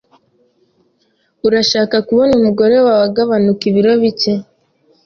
Urashaka kubona umugore wawe agabanuka ibiro bike?